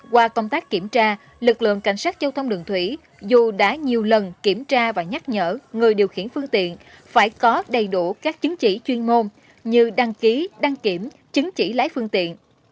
qua công tác kiểm tra lực lượng cảnh sát giao thông đường thủy dù đã nhiều lần kiểm tra và nhắc nhở người điều khiển phương tiện phải có đầy đủ các chứng chỉ chuyên môn như đăng ký đăng kiểm chứng chỉ lái phương tiện